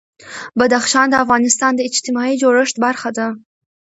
بدخشان د افغانستان د اجتماعي جوړښت برخه ده.